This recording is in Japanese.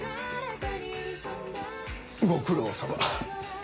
ご苦労さま。